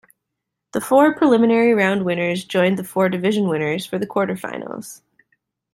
The four preliminary round winners joined the four division winners for the quarterfinals.